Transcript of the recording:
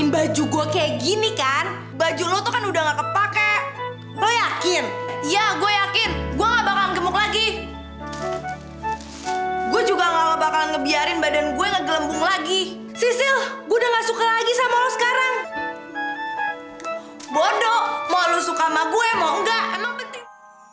bodo mau lo suka sama gue mau enggak emang penting